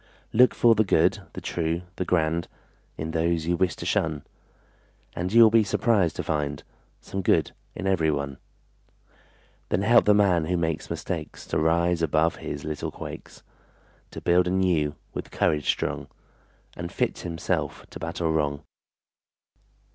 Look for the good, the true, the grand In those you wish to shun, And you will be surprised to find Some good in every one; Then help the man who makes mistakes To rise above his little quakes, To build anew with courage strong, And fit himself to battle wrong.